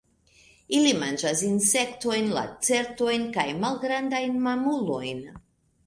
Ili manĝas insektojn, lacertojn kaj malgrandajn mamulojn.